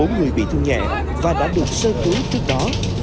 bốn người bị thương nhẹ và đã được sơ cứu trước đó